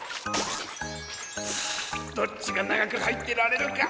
どっちがながくはいってられるか。